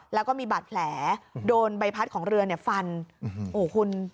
แล้วก็มีบาดแผลโดนใบพัดของเรือเนี่ยฟันโอ้โหคุณ